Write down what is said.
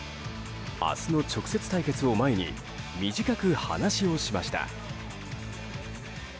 明日の直接対決を前に短く話をしました。